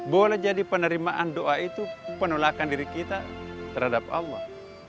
boleh jadi penerimaan doa itu penolakan diri kita terhadap allah